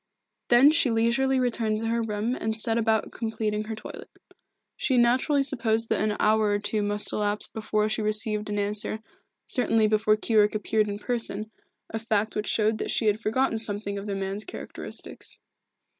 Then she leisurely returned to her room and set about completing her toilet. She naturally supposed that an hour or two must elapse before she received an answer, certainly before Keyork appeared in person, a fact which showed that she had forgotten something of the man's characteristics.